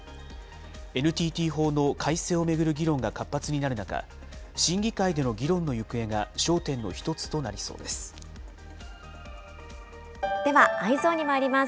ＮＴＴ法の改正を巡る議論が活発になる中、審議会での議論の行方では、Ｅｙｅｓｏｎにまいります。